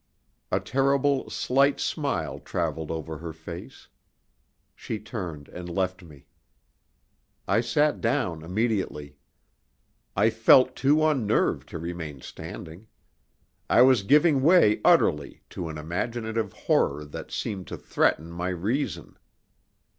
A terrible, slight smile travelled over her face. She turned and left me. I sat down immediately. I felt too unnerved to remain standing. I was giving way utterly to an imaginative horror that seemed to threaten my reason.